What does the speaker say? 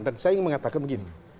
dan saya ingin mengatakan begini